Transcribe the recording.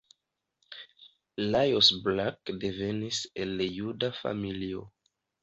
Lajos Bruck devenis el juda familio.